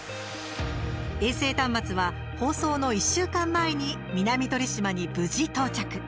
衛星端末は、放送の１週間前に南鳥島に無事、到着。